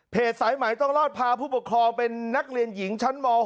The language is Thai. สายไหมต้องรอดพาผู้ปกครองเป็นนักเรียนหญิงชั้นม๖